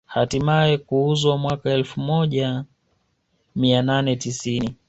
Hatimaye kuuzwa mwaka elfu moja mia nane tisini